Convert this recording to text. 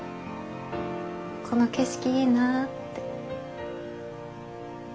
この景色いいなって。